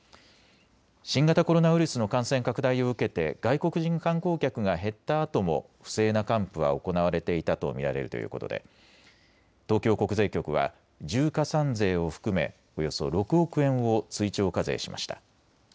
新型コロナウイルスの感染拡大を受けて外国人観光客が減ったあとも不正な還付は行われていたと見られるということで東京国税局は重加算税を含めおよそ６億円を追徴課税しました。